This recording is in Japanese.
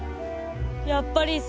やっぱりさ。